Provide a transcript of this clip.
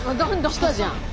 来たじゃん。